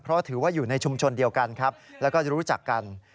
เพราะถือว่าอยู่ในชุมชนเดียวกันครับแล้วก็รู้จักกัน